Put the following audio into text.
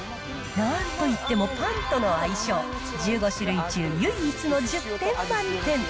なんと言ってもパンとの相性、１５種類中、唯一の１０点満点。